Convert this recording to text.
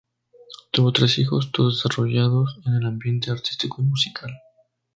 Tuvo tres hijos, todos desarrollados en el ambiente artístico y musical.